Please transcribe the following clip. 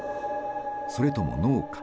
それともノーか？